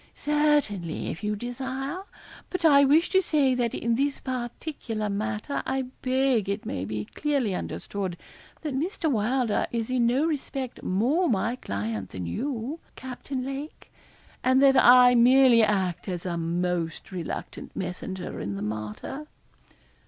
'Certainly, if you desire; but I wish to say that in this particular matter I beg it may be clearly understood that Mr. Wylder is in no respect more my client than you, Captain Lake, and that I merely act as a most reluctant messenger in the matter.'